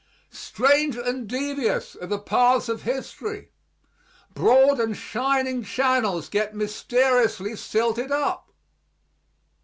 Strange and devious are the paths of history. Broad and shining channels get mysteriously silted up.